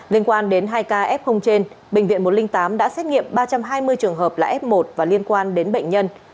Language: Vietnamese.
liên quan đến hai ca f trên bệnh viện một trăm linh tám đã xét nghiệm ba trăm hai mươi trường hợp là f một và liên quan đến bệnh nhân